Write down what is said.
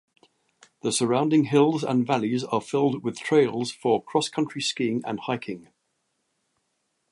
The surrounding hills and valleys are filled with trails for cross-country skiing and hiking.